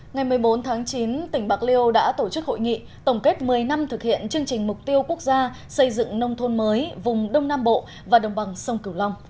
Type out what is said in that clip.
ngày một mươi bốn tháng chín tỉnh bạc liêu đã tổ chức hội nghị tổng kết một mươi năm thực hiện chương trình mục tiêu quốc gia xây dựng nông thôn mới vùng đông nam bộ và đồng bằng sông cửu long